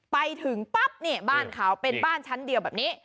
ไปถึงปั๊บเนี่ยบ้านเขาเป็นบ้านชั้นเดียวแบบนี้